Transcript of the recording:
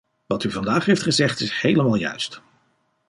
Wat u vandaag heeft gezegd is helemaal juist.